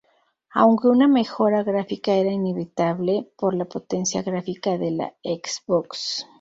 Aunque una mejora gráfica era inevitable por la potencia gráfica de la Xbox.